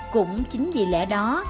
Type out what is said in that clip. cũng chính vì lẽ đó